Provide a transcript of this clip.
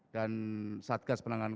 dan satgas penanganan